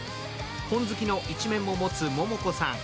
本好きの一面も持つモモコさん。